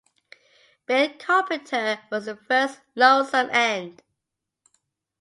Bill Carpenter was the first Lonesome end.